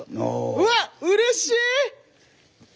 うわうれしい！